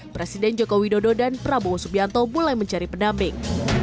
presiden joko widodo dan prabowo subianto mulai mencari pendamping